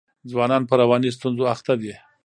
ځوانان په رواني ستونزو اخته دي.